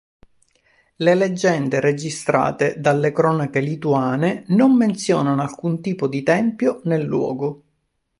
Le leggende registrate dalle cronache lituane non menzionano alcun tipo di tempio nel luogo.